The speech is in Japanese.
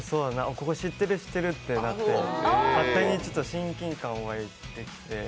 ここ知ってる知ってるってなって勝手に親近感わいてきて。